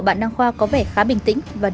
mấy anh ở đây làm gì thế này